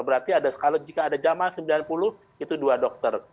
berarti kalau jika ada jamaah sembilan puluh itu dua dokter